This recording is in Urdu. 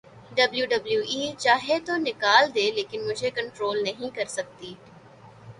ڈبلیو ڈبلیو ای چاہے تو نکال دے لیکن مجھے کنٹرول نہیں کر سکتی